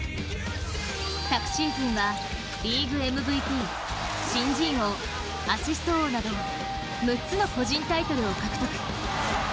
昨シーズンはリーグＭＶＰ、新人王、アシスト王など６つの個人タイトルを獲得。